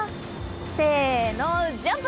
せーのジャンプ！